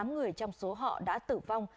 tám người trong số họ đã tử vong